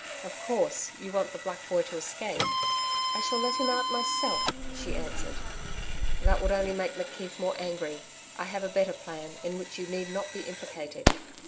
'Of course you want the black boy to escape?' 'I shall let him out myself,' she answered. 'That would only make McKeith more angry. I have a better plan, in which you need not be implicated.'